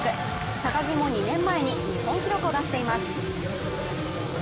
高木も、２年前に日本記録を出しています。